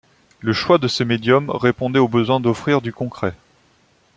Le choix de ce médium répondait au besoin d'offrir du concret.